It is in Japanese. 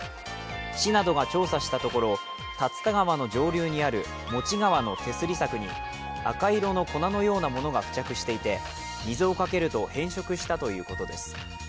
市などが調査したところ、竜田川の上流にあるモチ川の手すり柵に赤色の粉のようなものが付着していて水をかけると変色したということです。